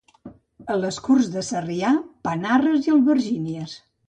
A les Corts de Sarrià, panarres i albergínies.